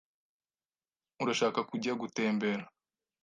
Urashaka kujya gutembera?